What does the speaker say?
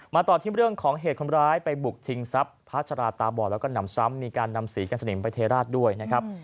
ต่อที่เรื่องของเหตุคนร้ายไปบุกชิงทรัพย์พระชราตาบอดแล้วก็หนำซ้ำมีการนำสีกันสนิมไปเทราชด้วยนะครับ